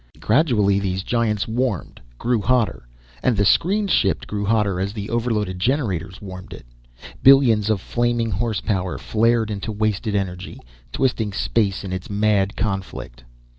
Gradually these giants warmed, grew hotter, and the screened ship grew hotter as the overloaded generators warmed it. Billions of flaming horse power flared into wasted energy, twisting space in its mad conflict.